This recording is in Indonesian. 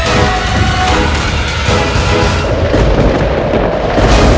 aku akan menangkapmu